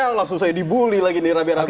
langsung saya dibully lagi nih rame rame